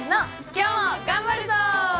今日も頑張るぞ！